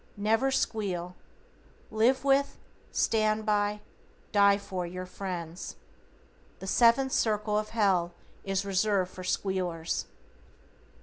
Never "squeal." Live with, stand by, die for, your friends. The seventh circle of hell is reserved for "squealers."